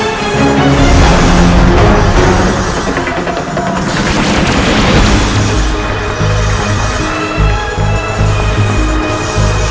sebuah manakah yang diberi tangan kepada kita lasak bebas